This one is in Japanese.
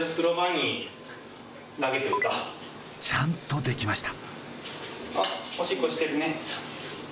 ちゃんとできました！